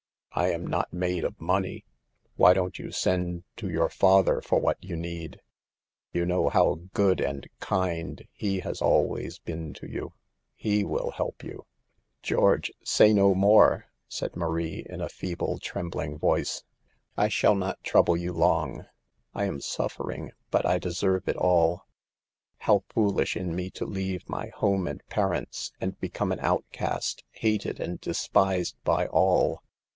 I am not made of money. Why don't you send to your father for what you need ? You know how good and hind he has always been to you; he will help you.' '" George, say no more," said Marie, in a feeble, trembling voice ;" I shall not trouble you long ; I am suffering, but I deserve it all. How foolish in me to leave my home and pa rents and become an outcast, hated and despised by all.